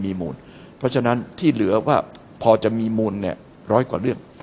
เพราะฉะนั้นที่เหลือว่าพอจะมีมูลเนี่ยร้อยกว่าเรื่อง